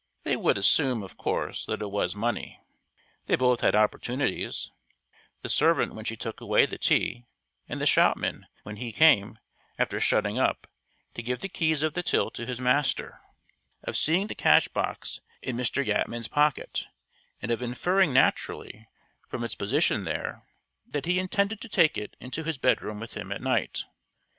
They would assume, of course, that it was money. They both had opportunities (the servant when she took away the tea, and the shopman when he came, after shutting up, to give the keys of the till to his master) of seeing the cash box in Mr. Yatman's pocket, and of inferring naturally, from its position there, that he intended to take it into his bedroom with him at night.